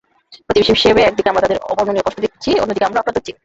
প্রতিবেশী হিসেবে একদিকে আমরা তাদের অবর্ণনীয় কষ্ট দেখছি, অন্যদিকে আমরাও আক্রান্ত হচ্ছি।